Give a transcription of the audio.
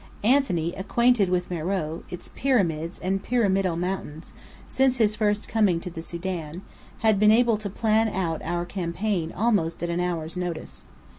Anthony, acquainted with Meröe, its pyramids and pyramidal mountains, since his first coming to the Sudan, had been able to plan out our campaign almost at an hour's notice.